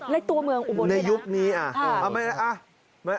ในโตเมืองอุบรุณนี้นะในยุคนี้